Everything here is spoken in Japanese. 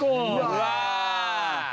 うわ！